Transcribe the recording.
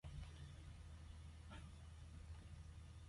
Set to Flames was initiated by David Bryant.